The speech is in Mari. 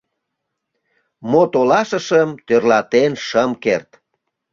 Мо толашышым — тӧрлатен шым керт.